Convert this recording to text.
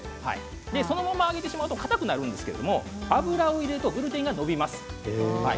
そのまま揚げてしまうとかたくなるんですけれども油を入れるとグルテンが伸びます。